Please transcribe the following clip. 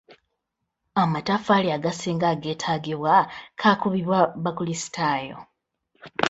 Amataffaali agasinga ageetaagibwa kaakubibwa bakulisitaayo.